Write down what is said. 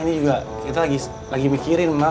ini juga kita lagi mikirin memang